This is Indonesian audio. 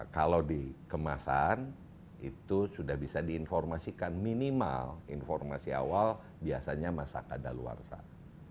kalau dikemasan itu sudah bisa diinformasikan minimal informasi awal biasanya masak ada luar sana